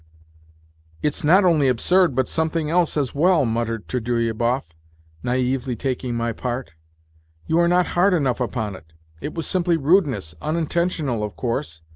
" It's not only absurd, but something else as well," muttered Trudolyubov, naively taking my part. " You are not hard enough upon it. It was simply rudeness unintentional, of course.